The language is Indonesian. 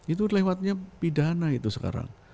itu lewatnya pidana itu sekarang